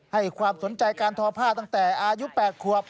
ให้ความสนใจการทอผ้าตั้งแต่อายุ๘ขวบ